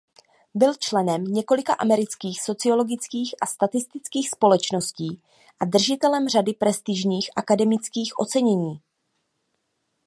Byl členem několika amerických sociologických a statistických společností a držitelem řady prestižních akademických ocenění.